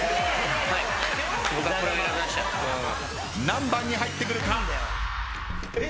何番に入ってくるか。